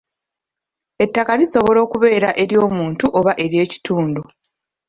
Ettaka lisobola okubeera ery'omuntu oba ery'ekitundu.